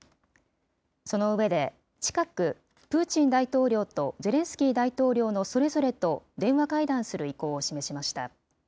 その上で、近く、プーチン大統領とゼレンスキー大統領のそれぞれと電話会談する意向を示しました。